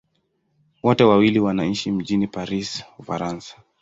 Wote wawili wanaishi mjini Paris, Ufaransa.